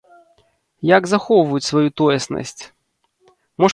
Як захоўваюць сваю тоеснасць?